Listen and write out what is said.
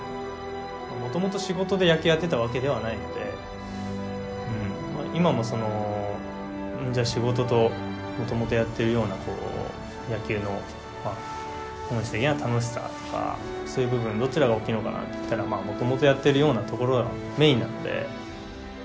もともと仕事で野球やってたわけではないのでうん今もそのじゃあ仕事ともともとやってるような野球のまあ本質的な楽しさとかそういう部分どちらが大きいのかなって言ったらまあもともとやってるようなところがメインなので。